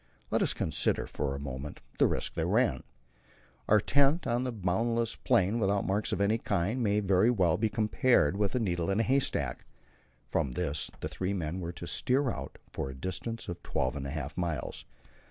Let us consider for a moment the risk they ran. Our tent on the boundless plain, without marks of any kind, may very well be compared with a needle in a haystack. From this the three men were to steer out for a distance of twelve and a half miles.